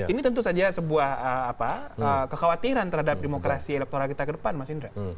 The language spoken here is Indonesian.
ini tentu saja sebuah kekhawatiran terhadap demokrasi elektoral kita ke depan mas indra